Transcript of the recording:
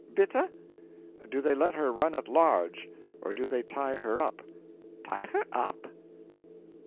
'Bitte?' 'Do they let her run at large, or do they tie her up?' 'Tie her up?'